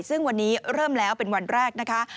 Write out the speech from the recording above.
ซึ่งวันนี้เริ่มแล้วเป็นวันแรกนะคะ